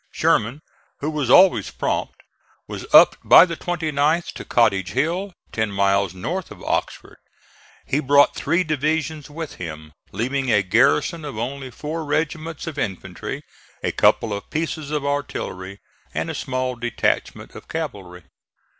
Sherman, who was always prompt, was up by the 29th to Cottage Hill, ten miles north of Oxford. He brought three divisions with him, leaving a garrison of only four regiments of infantry, a couple of pieces of artillery and a small detachment of cavalry.